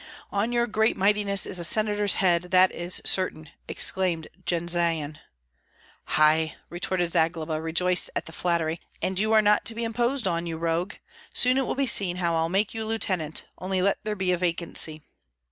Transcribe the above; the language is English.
"On your great mightiness is a senator's head, that is certain!" exclaimed Jendzian. "Hei!" retorted Zagloba, rejoiced at the flattery, "and you are not to be imposed on, you rogue! Soon it will be seen how I'll make you lieutenant, only let there be a vacancy."